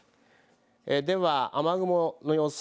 では雨雲の様子